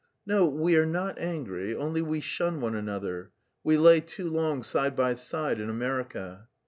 "No, we are not angry, only we shun one another. We lay too long side by side in America."